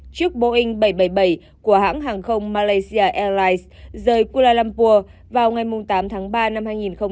chiếc boeing bảy trăm bảy mươi bảy của hãng hàng không malaysia airlines rời kuala lumpur vào ngày tám tháng ba năm hai nghìn hai mươi